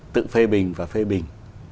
tự phê bình và phê bình